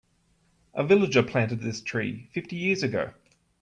A villager planted this tree fifty years ago.